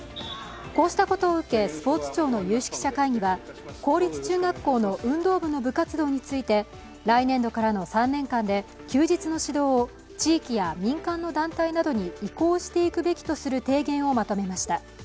こうしたことを受け、スポーツ庁の有識者会議は公立中学校の運動部の部活動について来年度からの３年間で休日の指導を地域や民間の団体などに移行していくべきとする提言をまとめました。